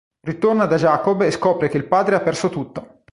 Ritorna da Jacob e scopre che il padre ha perso tutto.